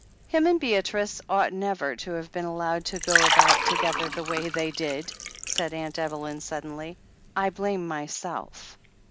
"Him and Beatrice ought never to have been allowed to go about together the way they did," said Aunt Evelyn suddenly. "I blame myself."